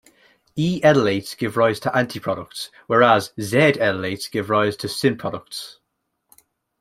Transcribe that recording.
"E"-enolates give rise to anti products, whereas "Z"-enolates give rise to syn products.